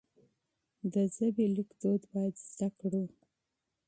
د ژبې ليکدود بايد زده کړو.